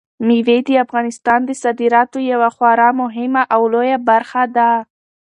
مېوې د افغانستان د صادراتو یوه خورا مهمه او لویه برخه ده.